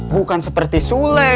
bukan seperti sule